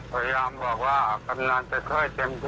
พยายามบอกว่ากำลังจะเคลื่อนเต็มที่